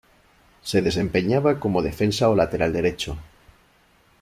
Se desempeñaba como defensa o lateral derecho.